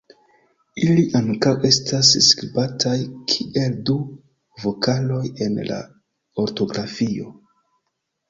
Ili ankaŭ estas skribataj kiel du vokaloj en la ortografio.